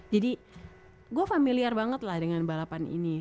jadi gue familiar banget lah dengan balapan ini